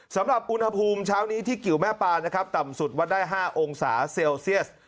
สำหรับอุณหภูมิเช้านี้ที่กิวแม่ปลานะครับต่ำสุดวัดได้๕องศาเซลเซียส